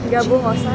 ya bu gak usah